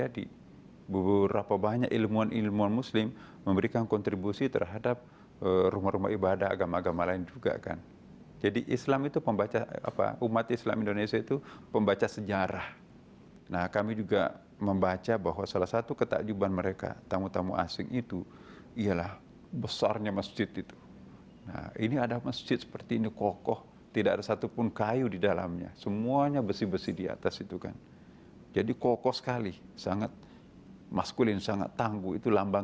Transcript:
dalam perjalanannya pembangunan masjid istiqlal sempat tersendat